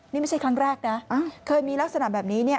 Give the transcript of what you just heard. นี่ไม่ใช่ครั้งแรกนะเคยมีลักษณะแบบนี้เนี่ย